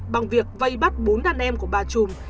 bằng việc vây bắt bốn đàn em của bà trùm